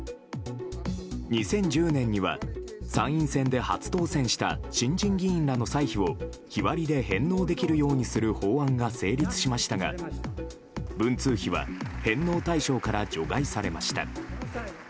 ２０１０年には参院選で初当選した新人議員らの歳費を日割りで返納できるようにする法案が成立しましたが文通費は、返納対象から除外されました。